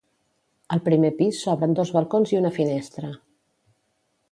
Al primer pis s'obren dos balcons i una finestra.